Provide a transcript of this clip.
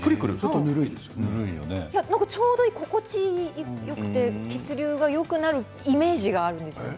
ちょうど心地よくて血流がよくなるイメージがあるんです。